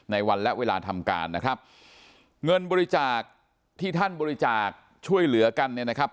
วันและเวลาทำการนะครับเงินบริจาคที่ท่านบริจาคช่วยเหลือกันเนี่ยนะครับ